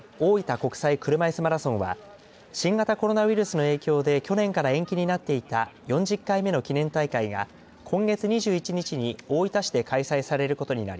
国際車いすマラソンは新型コロナウイルスの影響で去年から延期になっていた４０回目の記念大会が今月２１日に大分市で開催されることになり